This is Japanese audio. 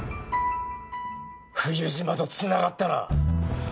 冬島と繋がったな。